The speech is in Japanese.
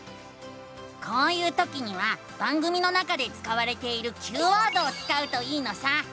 こういうときには番組の中で使われているＱワードを使うといいのさ！